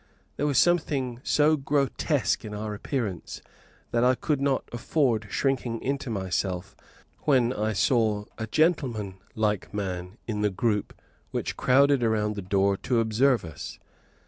There was something so grotesque in our appearance that I could not avoid shrinking into myself when I saw a gentleman like man in the group which crowded round the door to observe us.